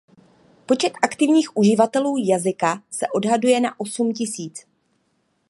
Počet aktivních uživatelů jazyka se odhaduje na osm tisíc.